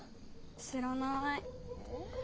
知らなーい。